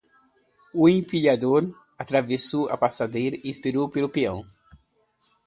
O empilhador atravessou a passadeira e esperou pelo peão.